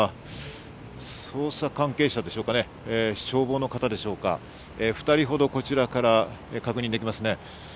捜査関係者でしょうか、消防の方でしょうか、２人ほどこちらから確認できます。